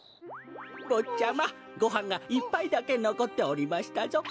ぼっちゃまごはんが１ぱいだけのこっておりましたぞ。